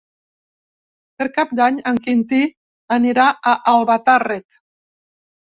Per Cap d'Any en Quintí anirà a Albatàrrec.